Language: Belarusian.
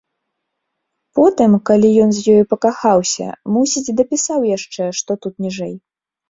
Потым, калі ён з ёю пакахаўся, мусіць, дапісаў яшчэ, што тут ніжэй.